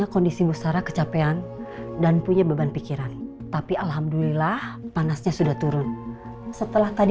kalau beliau membutuhkan